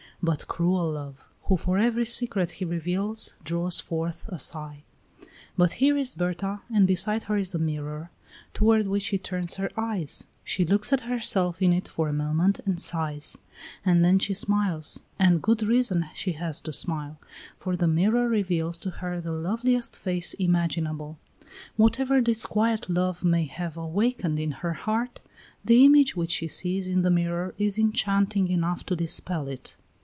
But cruel Love, who for every secret he reveals draws forth a sigh! But here is Berta, and beside her is a mirror, toward which she turns her eyes; she looks at herself in it for a moment and sighs, and then she smiles. And good reason she has to smile, for the mirror reveals to her the loveliest face imaginable; whatever disquiet Love may have awakened in her heart, the image which she sees in the mirror is enchanting enough to dispel it.